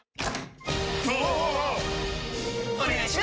お願いします！！！